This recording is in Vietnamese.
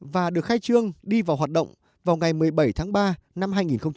và được khai trương đi vào hoạt động vào ngày một mươi bảy tháng ba năm hai nghìn hai mươi